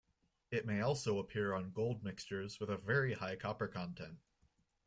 It may also appear on gold mixtures with a very high copper content.